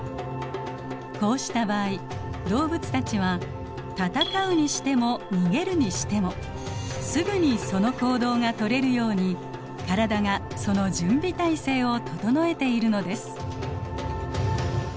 こうした場合動物たちは闘うにしても逃げるにしてもすぐにその行動がとれるように体がその準備態勢を整えているのです。